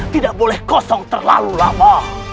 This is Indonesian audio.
tidak boleh kosong terlalu lama